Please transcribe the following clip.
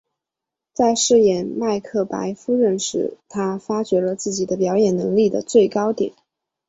在饰演麦克白夫人时她发觉了自己表演能力的最高点。